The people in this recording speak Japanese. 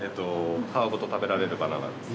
皮ごと食べられるバナナです。